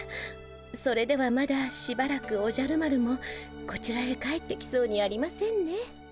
それではまだしばらくおじゃる丸もこちらへ帰ってきそうにありませんね。